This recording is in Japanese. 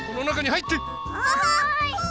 はい。